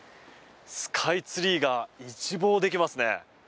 スカイツリーが一望できますね。